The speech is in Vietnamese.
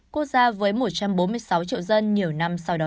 quốc gia với một trăm bốn mươi sáu triệu dân